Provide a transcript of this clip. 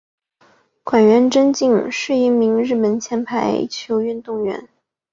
菅原贞敬是一名日本前排球运动员。